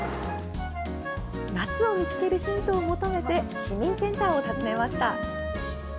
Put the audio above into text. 夏を見つけるヒントを求めて、市民センターを訪ねました。